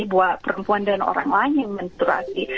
buat perempuan dan orang lain yang menstruasi